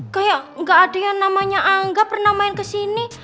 kayak gak ada yang namanya angga pernah main kesini